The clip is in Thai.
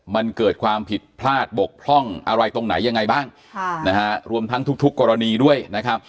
มันเกิดความผิดพลาดบกพร่องอะไรตรงไหนยังไงบ้างค่ะนะฮะรวมทั้งทุกกรณีด้วยนะครับ